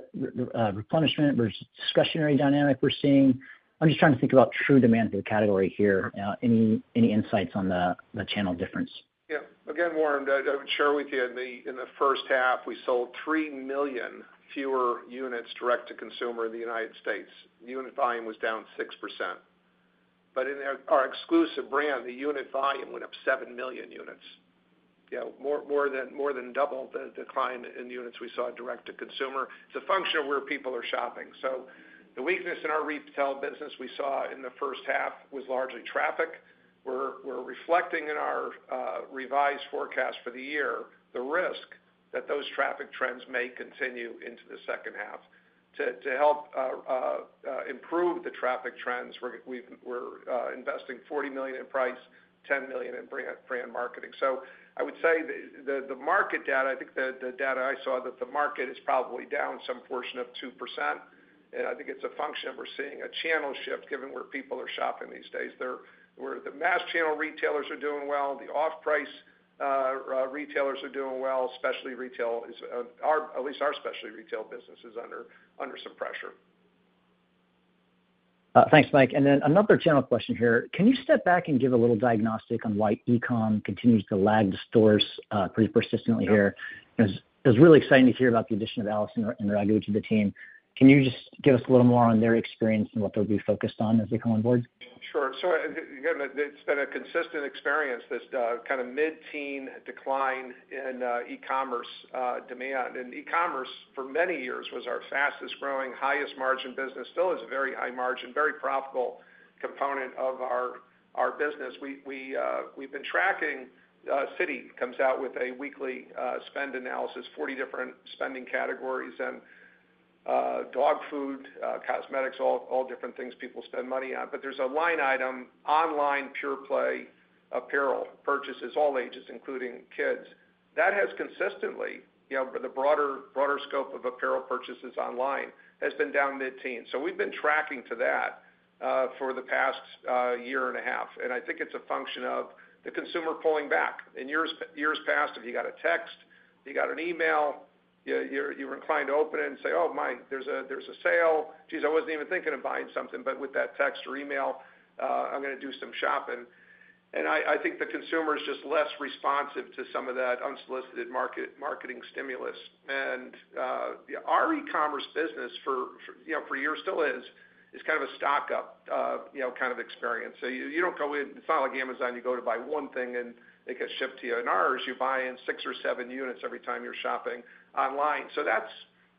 replenishment versus discretionary dynamic we're seeing? I'm just trying to think about true demand for the category here. Any insights on the channel difference? Yeah. Again, Warren, I would share with you in the first half, we sold 3 million fewer units direct to consumer in the United States. Unit volume was down 6%. But in our exclusive brand, the unit volume went up 7 million units. You know, more than double the decline in units we saw direct to consumer. It's a function of where people are shopping. So the weakness in our retail business we saw in the first half was largely traffic. We're reflecting in our revised forecast for the year the risk that those traffic trends may continue into the second half. To help improve the traffic trends, we're investing $40 million in price, $10 million in brand marketing. So I would say the market data, I think the data I saw, that the market is probably down some portion of 2%, and I think it's a function of we're seeing a channel shift given where people are shopping these days. They're where the mass channel retailers are doing well, the off-price retailers are doing well, specialty retail is, our at least our specialty retail business is under some pressure. Thanks, Mike. Then another general question here. Can you step back and give a little diagnostic on why e-com continues to lag the stores pretty persistently here? It was, it was really exciting to hear about the addition of Allison and, and Raghu to the team. Can you just give us a little more on their experience and what they'll be focused on as they come on board? Sure. So, again, it's been a consistent experience, this, kind of mid-teen decline in, e-commerce, demand. And e-commerce, for many years, was our fastest growing, highest margin business. Still is a very high margin, very profitable component of our business. We've been tracking, Citi comes out with a weekly, spend analysis, 40 different spending categories and, dog food, cosmetics, all different things people spend money on. But there's a line item, online pure play apparel purchases, all ages, including kids. That has consistently, you know, the broader scope of apparel purchases online, has been down mid-teen. So we've been tracking to that, for the past, year and a half. And I think it's a function of the consumer pulling back. In years past, if you got a text, you got an email, you're inclined to open it and say, "Oh, my, there's a sale. Geez, I wasn't even thinking of buying something, but with that text or email, I'm gonna do some shopping." I think the consumer is just less responsive to some of that unsolicited marketing stimulus. Our e-commerce business for, you know, for years, still is kind of a stock-up, you know, kind of experience. So you don't go in. It's not like Amazon, you go to buy one thing and it gets shipped to you. In ours, you buy six or seven units every time you're shopping online. So that's,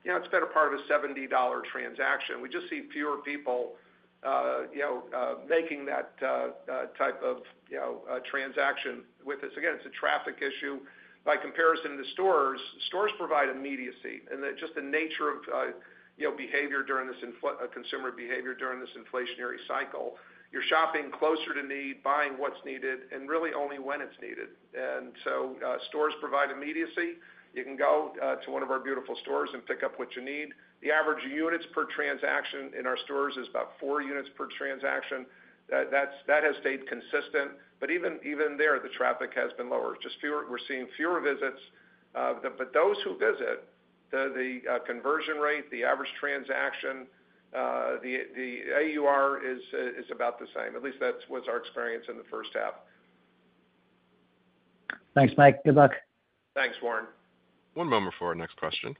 you know, it's been a part of a $70 transaction. We just see fewer people, you know, making that type of, you know, transaction with us. Again, it's a traffic issue. By comparison to stores, stores provide immediacy, and just the nature of, you know, consumer behavior during this inflationary cycle. You're shopping closer to need, buying what's needed, and really only when it's needed. And so, stores provide immediacy. You can go to one of our beautiful stores and pick up what you need. The average units per transaction in our stores is about four units per transaction. That's, that has stayed consistent, but even there, the traffic has been lower. Just fewer, we're seeing fewer visits, but for those who visit, the conversion rate, the average transaction, the AUR is about the same. At least that's what's our experience in the first half. Thanks, Mike. Good luck. Thanks, Warren. One moment for our next question.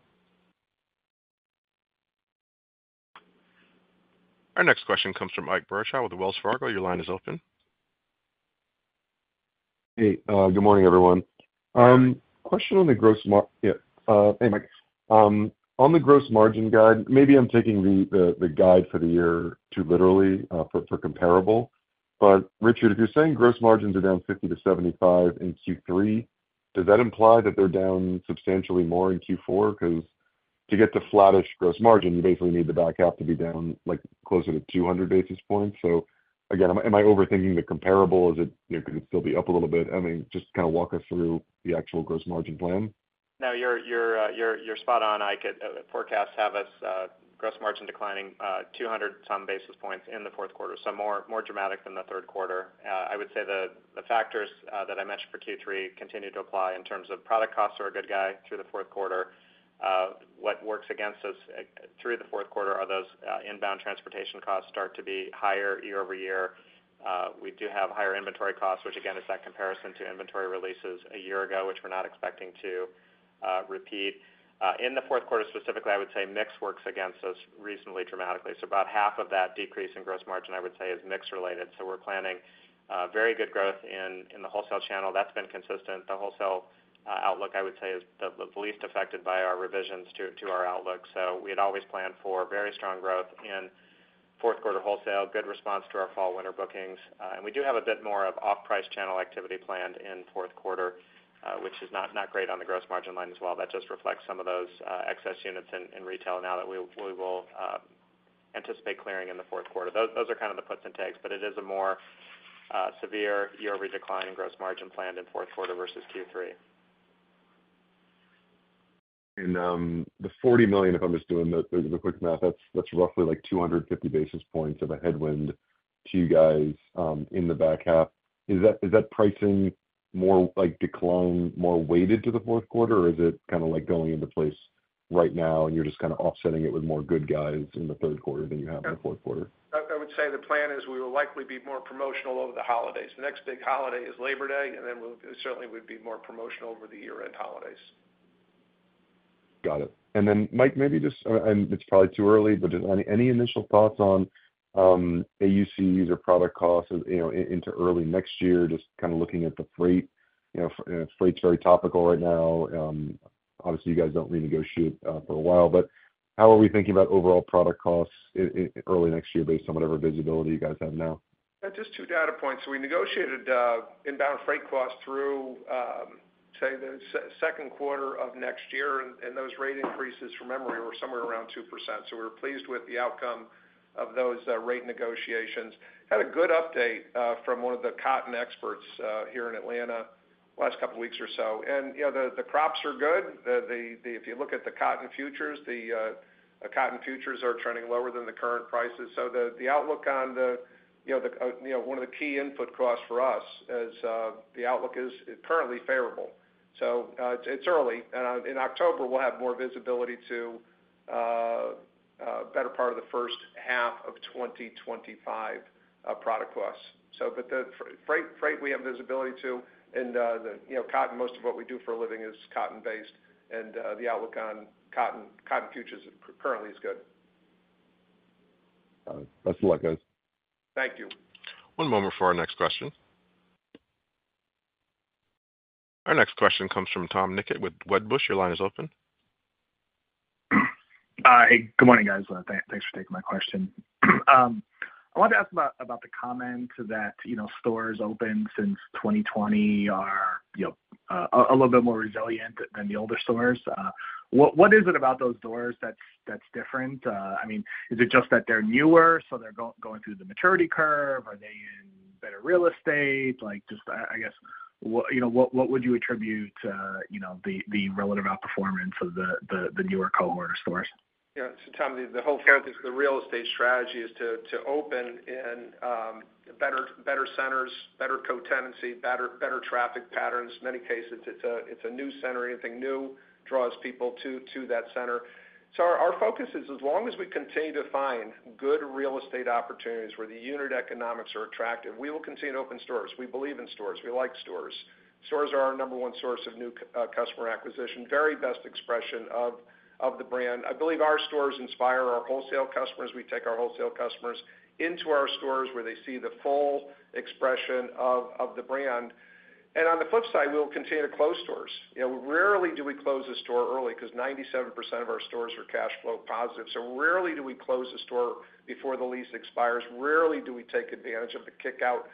Our next question comes from Ike Boruchow with Wells Fargo. Your line is open. Hey, good morning, everyone. Question on the gross margin guide, yeah, hey, Mike. On the gross margin guide, maybe I'm taking the guide for the year too literally, for comparable. But Richard, if you're saying gross margins are down 50-75 in Q3, does that imply that they're down substantially more in Q4? Because to get to flattish gross margin, you basically need the back half to be down, like, closer to 200 basis points. So again, am I overthinking the comparable? Is it, you know, could it still be up a little bit? I mean, just kind of walk us through the actual gross margin plan. No, you're spot on, Ike. Forecasts have us gross margin declining 200-some basis points in the fourth quarter. So more dramatic than the third quarter. I would say the factors that I mentioned for Q3 continue to apply in terms of product costs are a good guide through the fourth quarter. What works against us through the fourth quarter are those inbound transportation costs start to be higher year-over-year. We do have higher inventory costs, which again is that comparison to inventory releases a year ago, which we're not expecting to repeat. In the fourth quarter specifically, I would say mix works against us reasonably dramatically. So about half of that decrease in gross margin, I would say is mix related. So we're planning very good growth in the wholesale channel. That's been consistent. The wholesale outlook, I would say, is the least affected by our revisions to our outlook. So we had always planned for very strong growth in fourth quarter wholesale, good response to our fall/winter bookings. And we do have a bit more of off-price channel activity planned in fourth quarter. ... which is not great on the Gross Margin line as well. That just reflects some of those excess units in retail now that we will anticipate clearing in the fourth quarter. Those are kind of the puts and takes, but it is a more severe year-over-year decline in Gross Margin planned in fourth quarter versus Q3. The $40 million, if I'm just doing the quick math, that's roughly like 250 basis points of a headwind to you guys in the back half. Is that pricing more like decline, more weighted to the fourth quarter? Or is it kind of like going into place right now, and you're just kind of offsetting it with more good guys in the third quarter than you have in the fourth quarter? I would say the plan is we will likely be more promotional over the holidays. The next big holiday is Labor Day, and then we'll certainly we'd be more promotional over the year-end holidays. Got it. And then, Mike, maybe just, and it's probably too early, but just any initial thoughts on AUC, your product costs, you know, into early next year, just kind of looking at the freight? You know, freight's very topical right now. Obviously, you guys don't renegotiate for a while, but how are we thinking about overall product costs early next year based on whatever visibility you guys have now? Just two data points. So we negotiated inbound freight costs through, say, the second quarter of next year, and those rate increases from memory were somewhere around 2%. So we're pleased with the outcome of those rate negotiations. Had a good update from one of the cotton experts here in Atlanta last couple of weeks or so. And, you know, the crops are good. If you look at the cotton futures, the cotton futures are trending lower than the current prices. So the outlook on the, you know, the one of the key input costs for us is the outlook is currently favorable. So it's early. In October, we'll have more visibility to better part of the first half of 2025 product costs. So but the freight, freight we have visibility to, and, you know, cotton, most of what we do for a living is cotton-based, and the outlook on cotton, cotton futures currently is good. Best of luck, guys. Thank you. One moment for our next question. Our next question comes from Tom Nikic with Wedbush. Your line is open. Good morning, guys. Thanks for taking my question. I wanted to ask about the comments that, you know, stores open since 2020 are, you know, a little bit more resilient than the older stores. What is it about those stores that's different? I mean, is it just that they're newer, so they're going through the maturity curve? Are they in better real estate? Like, just, I guess, what would you attribute, you know, the relative outperformance of the newer cohort stores? Yeah. So, Tom, the whole focus of the real estate strategy is to open in better centers, better co-tenancy, better traffic patterns. In many cases, it's a new center. Anything new draws people to that center. So our focus is as long as we continue to find good real estate opportunities where the unit economics are attractive, we will continue to open stores. We believe in stores. We like stores. Stores are our number one source of new customer acquisition, very best expression of the brand. I believe our stores inspire our wholesale customers. We take our wholesale customers into our stores, where they see the full expression of the brand. And on the flip side, we'll continue to close stores. You know, rarely do we close a store early because 97% of our stores are cash flow positive. So rarely do we close a store before the lease expires. Rarely do we take advantage of the kickout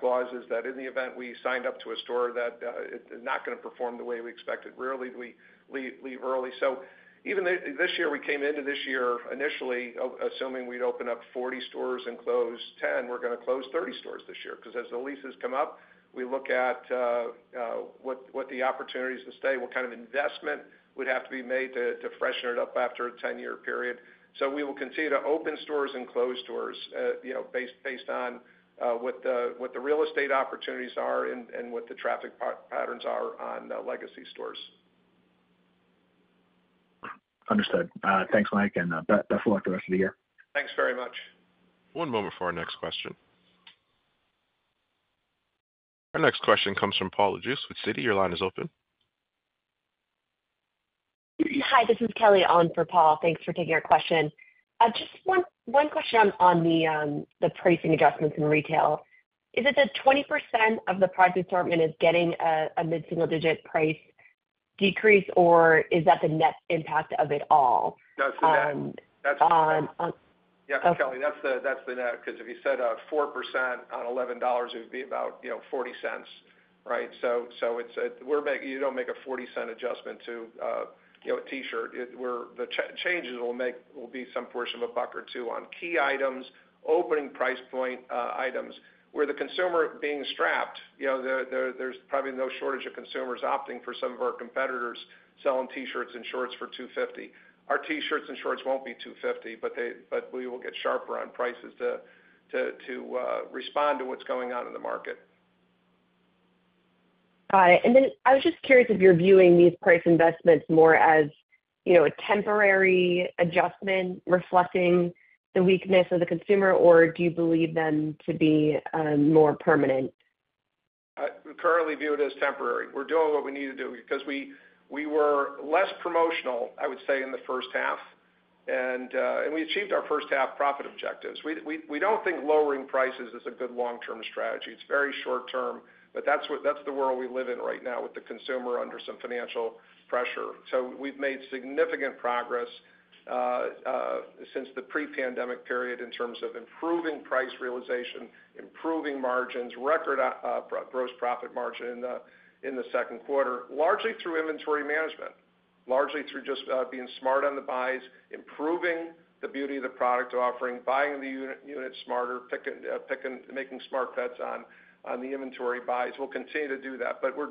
clauses that in the event we signed up to a store that is not gonna perform the way we expected. Rarely do we leave early. So even this year, we came into this year initially assuming we'd open up 40 stores and close 10. We're gonna close 30 stores this year because as the leases come up, we look at what the opportunities to stay, what kind of investment would have to be made to freshen it up after a 10-year period. We will continue to open stores and close stores, you know, based on what the real estate opportunities are and what the traffic patterns are on the legacy stores. Understood. Thanks, Mike, and best of luck the rest of the year. Thanks very much. One moment for our next question. Our next question comes from Paul Lejuez with Citi. Your line is open. Hi, this is Kelly on for Paul. Thanks for taking our question. Just one question on the pricing adjustments in retail. Is it that 20% of the product assortment is getting a mid-single digit price decrease, or is that the net impact of it all? That's the net. Um, um, um- Yeah, Kelly, that's the, that's the net, because if you set 4% on $11, it would be about, you know, $0.40, right? So, so it's a-- we're making... You don't make a $0.40 adjustment to, you know, a T-shirt. It-- we're-- the changes will be some portion of a buck or two on key items, opening price point items, where the consumer being strapped, you know, there, there's probably no shortage of consumers opting for some of our competitors selling T-shirts and shorts for $2.50. Our T-shirts and shorts won't be $2.50, but they-- but we will get sharper on prices to respond to what's going on in the market. Got it. And then I was just curious if you're viewing these price investments more as, you know, a temporary adjustment reflecting the weakness of the consumer, or do you believe them to be more permanent? We currently view it as temporary. We're doing what we need to do because we were less promotional, I would say, in the first half, and we achieved our first half profit objectives. We don't think lowering prices is a good long-term strategy. It's very short term, but that's what that's the world we live in right now with the consumer under some financial pressure. So we've made significant progress since the pre-pandemic period in terms of improving price realization, improving margins, record gross profit margin in the second quarter, largely through inventory management, largely through just being smart on the buys, improving the beauty of the product offering, buying the units smarter, picking making smart bets on the inventory buys. We'll continue to do that, but we're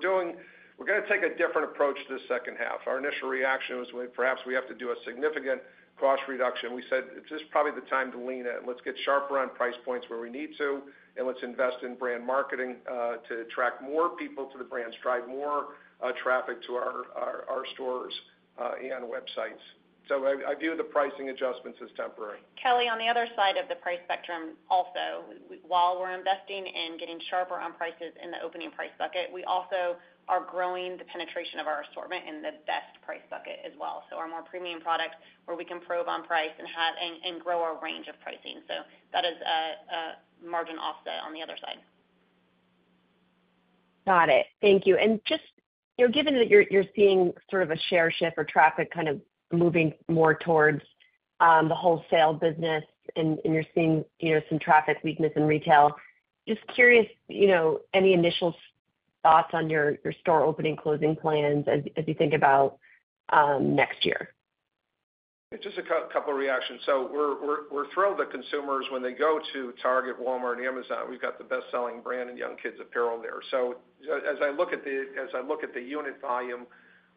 gonna take a different approach this second half. Our initial reaction was, we perhaps have to do a significant cost reduction. We said, "This is probably the time to lean in. Let's get sharper on price points where we need to, and let's invest in brand marketing to attract more people to the brands, drive more traffic to our stores and websites." So I, I view the pricing adjustments as temporary. Kelly, on the other side of the price spectrum, also, while we're investing in getting sharper on prices in the opening price bucket, we also are growing the penetration of our assortment in the best price bucket as well. So our more premium products, where we can probe on price and have and grow our range of pricing. So that is a margin offset on the other side. Got it. Thank you. And just, you know, given that you're seeing sort of a share shift or traffic kind of moving more towards the wholesale business, and you're seeing, you know, some traffic weakness in retail, just curious, you know, any initial thoughts on your store opening, closing plans as you think about next year? Just a couple of reactions. So we're thrilled that consumers, when they go to Target, Walmart, and Amazon, we've got the best-selling brand in young kids' apparel there. So as I look at the unit volume,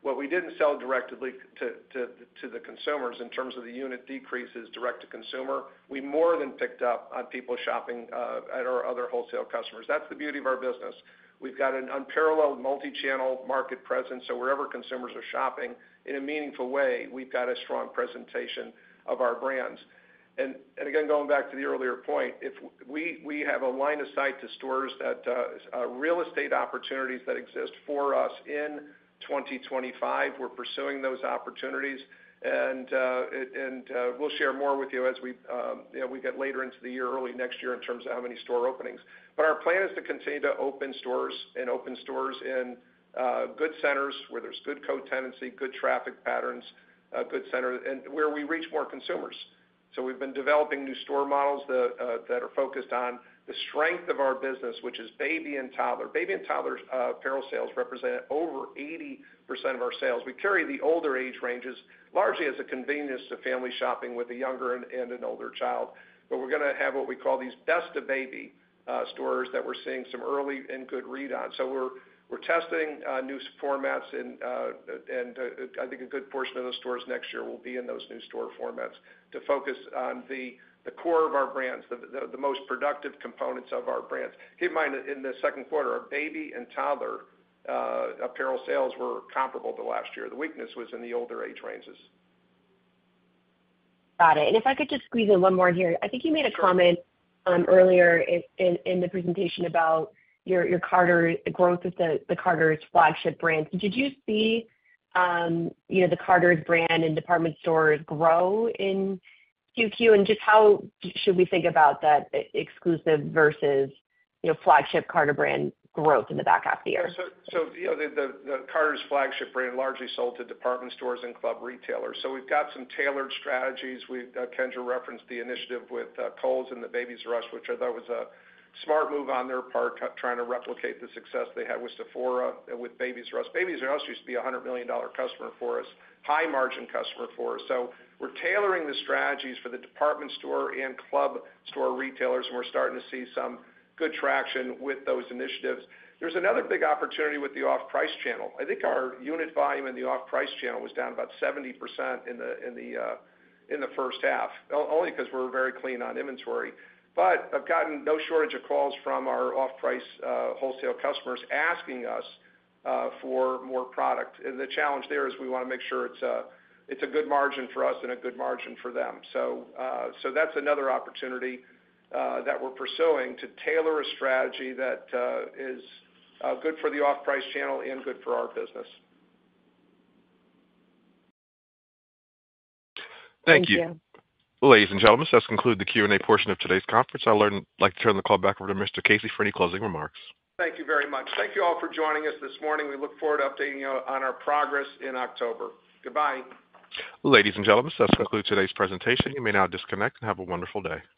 what we didn't sell directly to the consumers in terms of the unit decreases direct to consumer, we more than picked up on people shopping at our other wholesale customers. That's the beauty of our business. We've got an unparalleled multi-channel market presence, so wherever consumers are shopping, in a meaningful way, we've got a strong presentation of our brands. And again, going back to the earlier point, we have a line of sight to stores that real estate opportunities that exist for us in 2025. We're pursuing those opportunities, and we'll share more with you as we, you know, get later into the year, early next year, in terms of how many store openings. But our plan is to continue to open stores and open stores in good centers, where there's good co-tenancy, good traffic patterns, good center, and where we reach more consumers. So we've been developing new store models that are focused on the strength of our business, which is baby and toddler. Baby and toddler apparel sales represent over 80% of our sales. We carry the older age ranges, largely as a convenience to family shopping with a younger and an older child. But we're gonna have what we call these Best of Baby stores that we're seeing some early and good read on. So we're testing new formats, and I think a good portion of those stores next year will be in those new store formats to focus on the core of our brands, the most productive components of our brands. Keep in mind, in the second quarter, our baby and toddler apparel sales were comparable to last year. The weakness was in the older age ranges. Got it. If I could just squeeze in one more here. Sure. I think you made a comment earlier in the presentation about your Carter's, the growth of the Carter's flagship brand. Did you see, you know, the Carter's brand in department stores grow in QQ? And just how should we think about that exclusive versus, you know, flagship Carter brand growth in the back half of the year? So, you know, the Carter's flagship brand largely sold to department stores and club retailers. So we've got some tailored strategies. We've Kendra referenced the initiative with Kohl's and the Babies 'R' Us, which I thought was a smart move on their part, trying to replicate the success they had with Sephora, with Babies 'R' Us. Babies 'R' Us used to be a $100 million customer for us, high margin customer for us. So we're tailoring the strategies for the department store and club store retailers, and we're starting to see some good traction with those initiatives. There's another big opportunity with the off-price channel. I think our unit volume in the off-price channel was down about 70% in the first half, only because we're very clean on inventory. But I've gotten no shortage of calls from our off-price wholesale customers asking us for more product. And the challenge there is we wanna make sure it's a good margin for us and a good margin for them. So that's another opportunity that we're pursuing, to tailor a strategy that is good for the off-price channel and good for our business. Thank you. Thank you. Ladies and gentlemen, this does conclude the Q&A portion of today's conference. I'd like to turn the call back over to Mr. Casey for any closing remarks. Thank you very much. Thank you all for joining us this morning. We look forward to updating you on our progress in October. Goodbye. Ladies and gentlemen, this concludes today's presentation. You may now disconnect and have a wonderful day.